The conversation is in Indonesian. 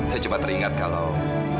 saya cuma teringat kalau